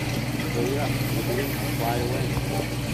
Hurry up, or the balloon will fly away.